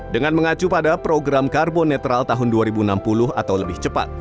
dengan mengacu pada program karbon netral tahun dua ribu enam puluh atau lebih cepat